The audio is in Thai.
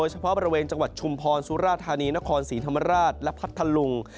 เฉพาะบริเวณจังหวัดชุมพรสุราธานีนครศรีธรรมราชและพัทธลุง